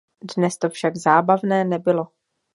Dnes to však zábavné nebylo.